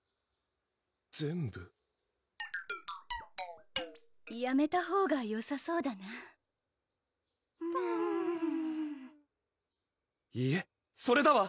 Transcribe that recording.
全部やめたほうがよさそうだなうんいえそれだわ！